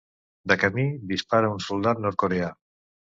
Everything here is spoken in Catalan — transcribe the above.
De camí, dispara a un soldat nord-coreà.